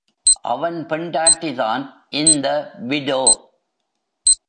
அவன் பொண்டாட்டிதான் இந்த விடோ.